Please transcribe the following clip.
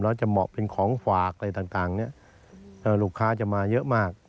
แล้วจะเหมาะเป็นของฝากอะไรต่างเนี่ยลูกค้าจะมาเยอะมาก